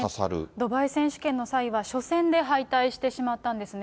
ドバイ選手権の際は初戦で敗退してしまったんですね。